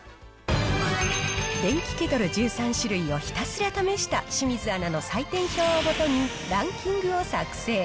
電気ケトル１３種類をひたすら試した清水アナの採点表をもとに、ランキングを作成。